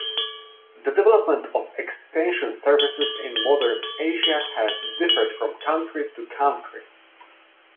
The development of extension services in modern Asia has differed from country to country.